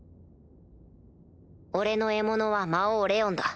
俺の獲物は魔王レオンだ。